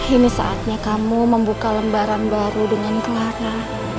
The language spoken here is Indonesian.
ini saatnya kamu membuka lembaran baru dengan kemara